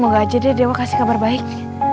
semoga aja deh dewa kasih kabar baik